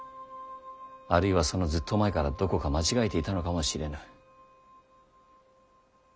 あるいはそのずっと前からどこか間違えていたのかもしれぬ。